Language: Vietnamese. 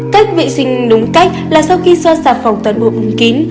cách vệ sinh đúng cách là sau khi xoa xà phòng toàn bộ vùng kín